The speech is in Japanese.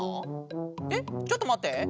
えっちょっとまって。